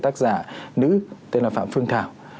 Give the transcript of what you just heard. tác giả nữ tên là phạm phương thảo